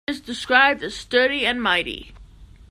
He is described as sturdy and mighty.